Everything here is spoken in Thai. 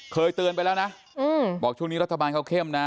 เคยเตือนไปแล้วนะบอกช่วงนี้รัฐบาลเขาเข้มนะ